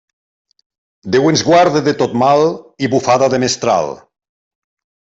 Déu ens guarde de tot mal i bufada de mestral.